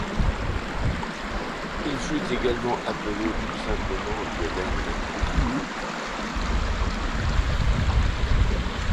Il fut également appelé plus simplement de l'Aisne.